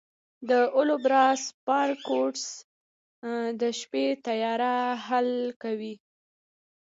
د اولبرس پاراډوکس د شپې تیاره حل کوي.